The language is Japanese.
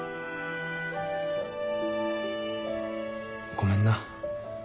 ごめんな。